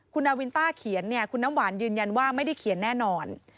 คุณนาวินต้าเขียนเนี่ยคุณน้ำหวานยืนยันว่าไม่ได้เขียนแน่นอน